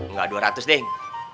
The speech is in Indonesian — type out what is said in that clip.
gak dua ratus ding